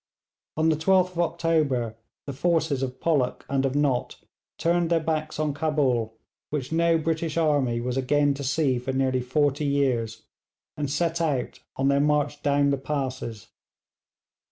On the 12th of October the forces of Pollock and of Nott turned their backs on Cabul, which no British army was again to see for nearly forty years, and set out on their march down the passes.